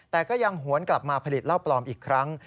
แต่ก็ยังหวนกลับมาผลิตเหล้าปลอมอีกครั้ง